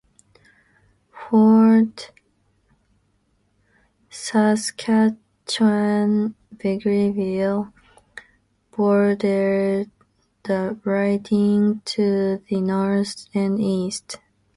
Fort Saskatchewan-Vegreville bordered the riding to the north and east.